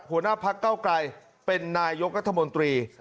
หัวหน้าพักเก้าไกลเป็นนายกรัฐมนตรี